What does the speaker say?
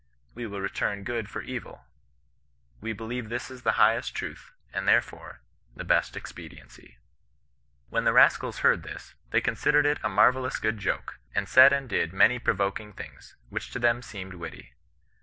* 'We will return good for evil. We helieve this is the highest truth, and, there fore, the best expediency.' ^ When the rascals heard this, they considered it a maryellous good joke, and said and did many provoking things, which to them seemed witty.